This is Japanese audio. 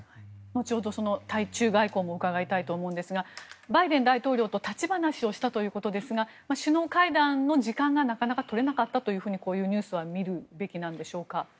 後ほど、その対中外交も伺いたいと思いますがバイデン大統領と立ち話をしたということですが首脳会談の時間がなかなか取れなかったとこういうニュースは見るべきなんでしょうか？